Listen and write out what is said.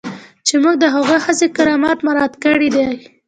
چې موږ د هغې ښځې کرامت مراعات کړی دی.